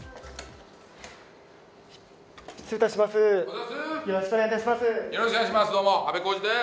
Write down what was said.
失礼いたします。